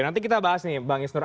nanti kita bahas nih bang isnur